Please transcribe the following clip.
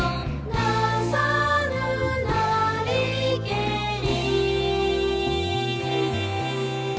「為さぬなりけり」